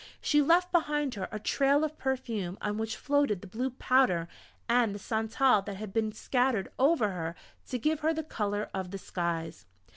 She left behind her a trail of perfume on which floated the blue powder and the santal that had been scattered over her to give her the colour of the skies.